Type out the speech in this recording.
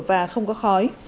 và không có khói